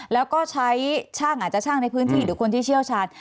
แล้วก็ใช้ช่างอาจจะช่างในพื้นที่หรือคนที่เชี่ยวชาญ